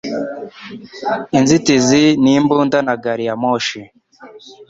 Inzitizi n'imbunda na gariyamoshi